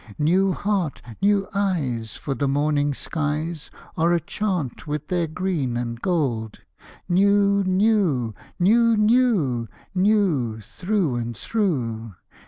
New heart, new eyes! For the morning skies Are a chant with their green and gold! New, new, new, new new through and through!